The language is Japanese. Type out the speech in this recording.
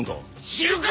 知るか！